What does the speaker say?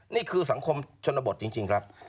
นี่คือสังคมชนบทจริงครับ